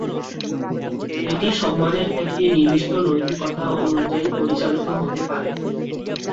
এটি সম্মানের একটি নির্দিষ্ট নৈতিকতা অনুযায়ী পরিচালিত হতে পারে।